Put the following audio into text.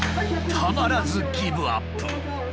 たまらずギブアップ。